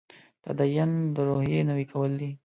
تدین روحیې نوي کول دی.